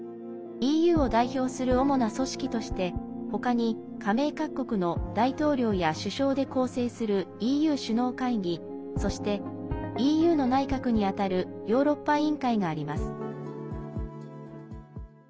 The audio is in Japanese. ＥＵを代表する主な組織として他に、加盟各国の大統領や首相で構成するＥＵ首脳会議そして、ＥＵの内閣にあたるヨーロッパ委員会があります。